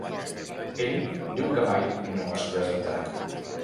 Ell diu que mai no es presentarà.